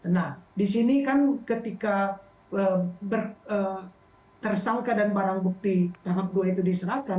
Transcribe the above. nah di sini kan ketika tersangka dan barang bukti tahap dua itu diserahkan